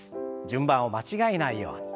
順番を間違えないように。